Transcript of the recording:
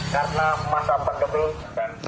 karena masa bergetar